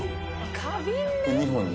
花瓶で？